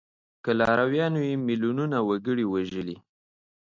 که لارویانو یې میلیونونه وګړي وژلي.